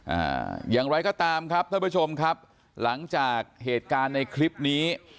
อ่าอย่างไรก็ตามครับท่านผู้ชมครับหลังจากเหตุการณ์ในคลิปนี้